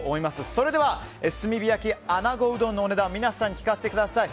それでは炭火焼穴子うどんのお値段皆さんに聞かせてください。